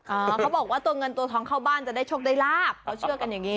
เขาบอกว่าตัวเงินตัวทองเข้าบ้านจะได้โชคได้ลาบเขาเชื่อกันอย่างนี้